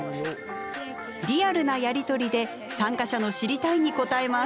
リアルなやりとりで参加者の「知りたい」に応えます。